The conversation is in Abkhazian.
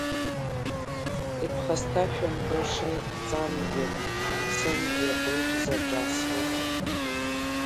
Иԥхасҭашәымтәышеи, ҵангьы-мцынгьы уи шәзаҿасуа.